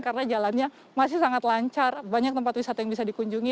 karena jalannya masih sangat lancar banyak tempat wisata yang bisa dikunjungi